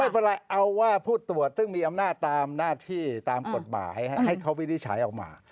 เอาว่าผู้ตรวจซึ่งมีอำนาจตามหน้าที่ตามกฎหมายให้เขาวินิจฉัยออกมา